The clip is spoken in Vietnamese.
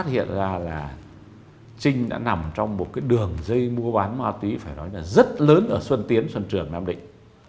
phát hiện ra là trinh đã nằm trong một cái đường dây mua bán ma túy phải nói là rất lớn ở xuân tiến xuân trường nam định